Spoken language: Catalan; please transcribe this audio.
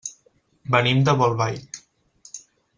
Venim de Bolbait.